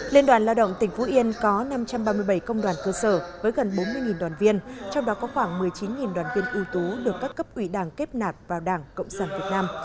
liên đoàn lao động tỉnh phú yên có năm trăm ba mươi bảy công đoàn cơ sở với gần bốn mươi đoàn viên trong đó có khoảng một mươi chín đoàn viên ưu tú được các cấp ủy đảng kết nạp vào đảng cộng sản việt nam